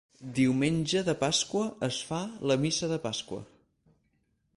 Diumenge de Pasqua es fa la Missa de Pasqua.